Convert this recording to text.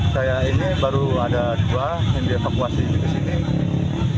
saya ini baru ada dua yang dievakuasi ke sini